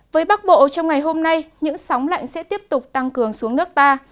với bắc bộ trong ngày hôm nay những sóng lạnh sẽ tiếp tục tăng cường xuống nước ta